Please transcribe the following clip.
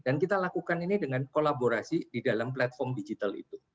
dan kita lakukan ini dengan kolaborasi di dalam platform digital itu